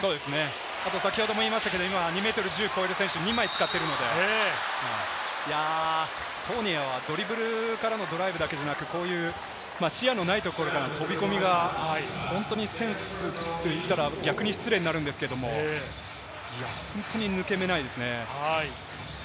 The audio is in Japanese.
あと今２ｍ１０ｃｍを超える選手を２枚使っているので、フォーニエはドリブルからのドライブだけじゃなくて、こういう視野のないところから飛び込みが、本当にセンスと言ったら逆に失礼になるんですけれども、本当に抜け目ないですね。